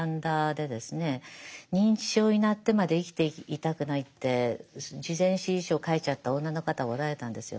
認知症になってまで生きていたくないって事前指示書を書いちゃった女の方がおられたんですよ。